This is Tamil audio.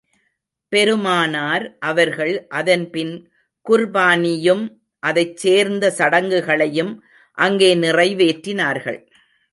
பெருமானார் அவர்கள் அதன் பின் குர்பானியும் அதைச் சேர்ந்த சடங்குகளையும் அங்கே நிறைவேற்றினார்கள்.